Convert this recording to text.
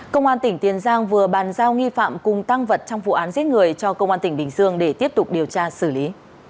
công an tỉnh tiền giang vừa bàn giao nghi phạm cùng tăng vật trong vụ án giết người cho công an tỉnh bình dương để tiếp tục điều tra xử lý